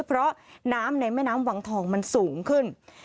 เพราะน้ำในแม่น้ำวังทองมันสูงขึ้น